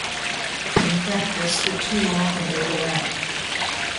In practice, the two often overlap.